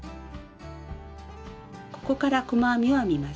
ここから細編みを編みます。